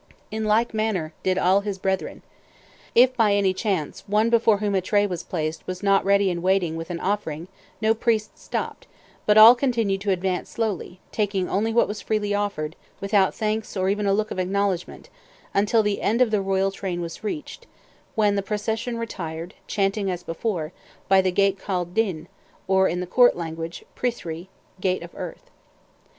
In like manner did all his brethren. If, by any chance, one before whom a tray was placed was not ready and waiting with an offering, no priest stopped, but all continued to advance slowly, taking only what was freely offered, without thanks or even a look of acknowledgment, until the end of the royal train was reached, when the procession retired, chanting as before, by the gate called Dinn, or, in the Court language, Prithri, "Gate of Earth."